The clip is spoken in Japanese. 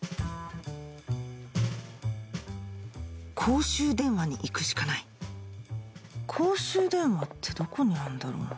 公衆電話に行くしかない公衆電話ってどこにあんだろう？